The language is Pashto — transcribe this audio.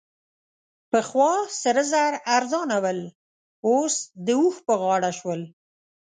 پخوا سره زر ارزانه ول؛ اوس د اوښ په غاړه شول.